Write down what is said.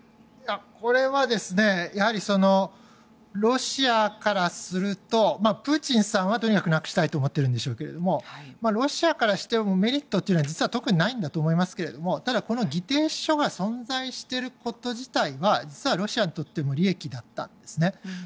これはやはりロシアからするとプーチンさんはとにかくなくしたいと思っているんでしょうがロシアからしてもメリットというのは実は特にないんだと思いますがただ、この議定書が存在していること自体は実はロシアにとっても利益だったんですね。